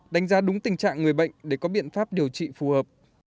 đánh giá đúng tình trạng người bệnh để có biện pháp điều trị phù hợp